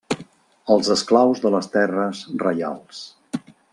Els esclaus de les terres reials.